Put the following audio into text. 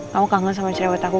kamu kangen sama cewek aku